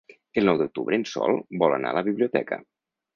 El nou d'octubre en Sol vol anar a la biblioteca.